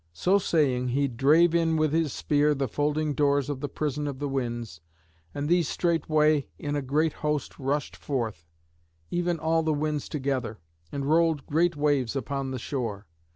So saying he drave in with his spear the folding doors of the prison of the winds, and these straightway in a great host rushed forth, even all the winds together, and rolled great waves upon the shore.